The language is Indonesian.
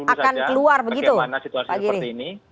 kita bisa jalani dulu saja bagaimana situasi seperti ini